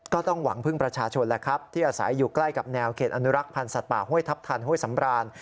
ก็ต้องหวังพึ่งประชาชนแหละครับที่อาศัยอยู่ใกล้กับแนวเขตอนุรักษ์พันธ์สัตว์ป่าห้วยทัพทันห้วยสำราน